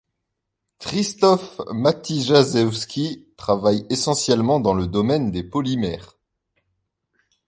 Krzysztof Matyjaszewski travaille essentiellement dans le domaine des polymères.